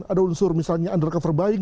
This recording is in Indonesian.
ada unsur misalnya under cover buying